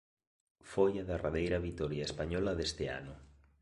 Foi a derradeira vitoria española deste ano.